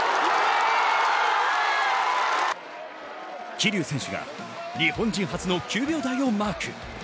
桐生選手が日本人初の９秒台をマーク。